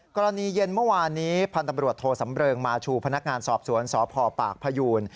กรณีเย็นเมื่อวานนี้พันธบรวจโทสำเริงมาชูพนักงานสอบสวนสพปากพยูน